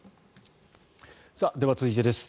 では、続いてです。